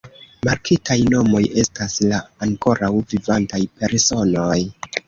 Markitaj nomoj estas de ankoraŭ vivantaj personoj.